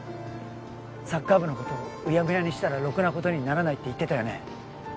サッカー部のことうやむやにしたらろくなことにならないって言ってたよね？